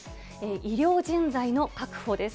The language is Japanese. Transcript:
医療人材の確保です。